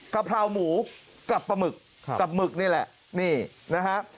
กะเพราหมูกับปลาหมึกกับหมึกนี่แหละนี่นะฮะ